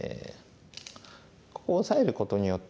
ここをオサえることによってですね